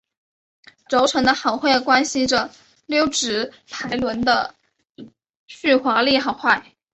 轴承的好坏关系着溜直排轮的续滑力好坏。